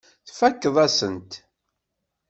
Tfakkeḍ-asent-t.